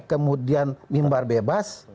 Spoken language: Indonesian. kemudian mimbar bebas